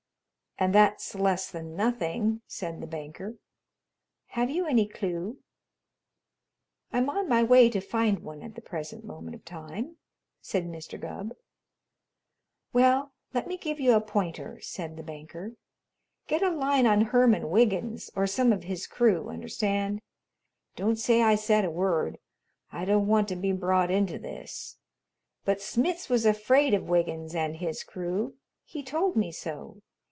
"And that's less than nothing," said the banker. "Have you any clue?" "I'm on my way to find one at the present moment of time," said Mr. Gubb. "Well, let me give you a pointer," said the banker. "Get a line on Herman Wiggins or some of his crew, understand? Don't say I said a word, I don't want to be brought into this, but Smitz was afraid of Wiggins and his crew. He told me so.